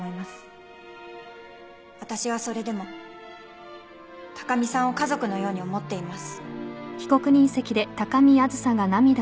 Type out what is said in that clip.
私はそれでも高見さんを家族のように思っています。